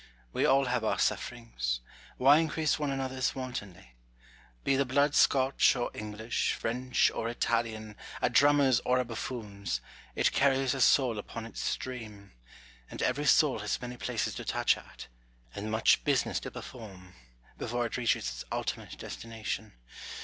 We all have our sufferings : why increase one another's wantonly 1 Be the blood Scotch or English, French or Italian, a drummer's or a buffoon's, it carries a soul upon its stream ; and every soul has many places to touch at, and much business to perform, before it reaches its ultimate destination.